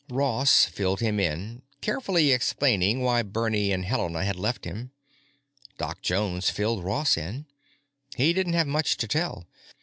Ross filled him in, carefully explaining why Bernie and Helena had left him. Doc Jones filled Ross in. He didn't have much to tell.